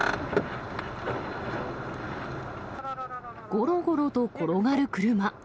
ごろごろと転がる車。